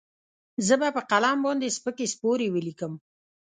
زه به په قلم باندې سپکې سپورې وليکم.